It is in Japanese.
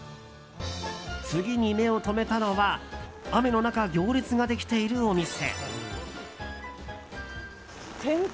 次に目をとめたのは雨の中行列ができているお店。